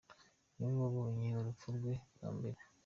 Niwe wabonye urupfu rwe bwa mbere.